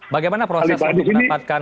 bagaimana proses untuk menempatkan